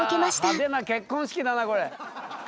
うわ派手な結婚式だなこれ。